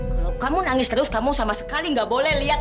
kalau kamu nangis terus kamu sama sekali nggak boleh lihat